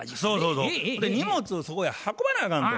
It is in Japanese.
荷物をそこへ運ばなあかんと。